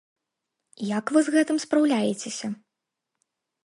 Як вы з гэтым спраўляецеся?